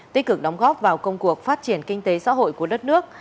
tích cực đóng góp vào công cuộc phát triển kinh tế xã hội của đất nước